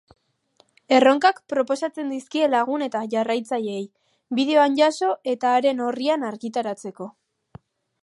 Erronkak proposatzen dizkie lagun eta jarraitzaileei, bideoan jaso eta haren orrian argitaratzeko.